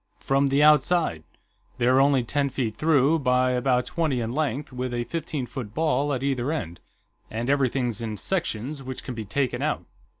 "From the outside. They're only ten feet through, by about twenty in length, with a fifteen foot ball at either end, and everything's in sections, which can be taken out.